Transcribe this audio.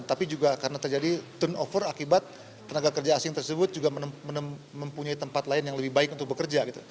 tapi juga karena terjadi turnover akibat tenaga kerja asing tersebut juga mempunyai tempat lain yang lebih baik untuk bekerja gitu